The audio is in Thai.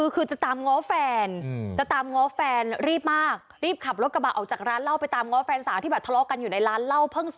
ก็ไม่เจอที่ร้าน